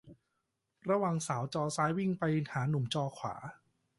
ระวังสาวจอซ้ายวิ่งไปหาหนุ่มจอขวา